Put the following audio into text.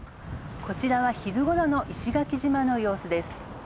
こちらは、昼頃の石垣島の様子です。